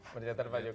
pernyataan pak jokowi